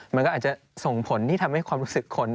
มันก็อาจจะส่งผลที่ทำให้ความรู้สึกคน